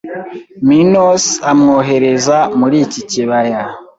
Minos amwohereza muri iki kibaya